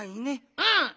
うん！